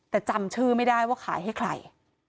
แต่จำชื่อไม่ได้ว่าขายให้ใคร